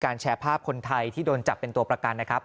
แชร์ภาพคนไทยที่โดนจับเป็นตัวประกันนะครับ